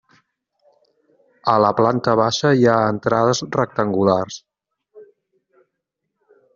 A la planta baixa hi ha entrades rectangulars.